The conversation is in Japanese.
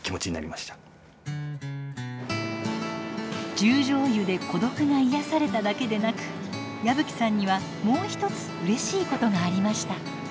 十條湯で孤独が癒やされただけでなく矢吹さんにはもう一つうれしいことがありました。